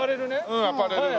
うんアパレルの。